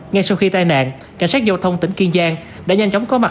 ngay sau khi tai nạn cảnh sát giao thông tỉnh kiên giang đã nhanh chóng có mặt